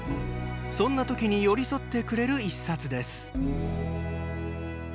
そんな時に寄り添ってくれる１冊です。